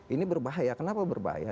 ini berbahaya kenapa berbahaya